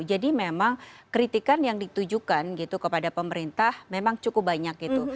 jadi memang kritikan yang ditujukan gitu kepada pemerintah memang cukup banyak gitu